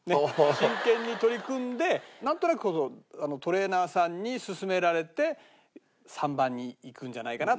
真剣に取り組んでなんとなくトレーナーさんに勧められて３番にいくんじゃないかなと。